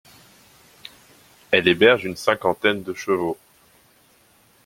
Elle héberge une cinquantaine de chevaux.